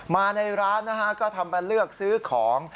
มาในร้านนะฮะก็ทำมาเลือกซื้อของ